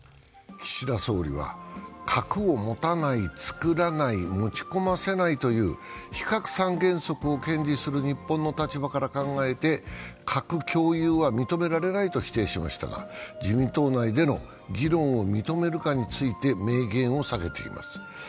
岸田総理は核を持たない、作らない、持ち込ませないという非核三原則を堅持する日本の立場から考えて核共有は認められないと否定しましたが、自民党内での議論を認めるかについて明言を避けています。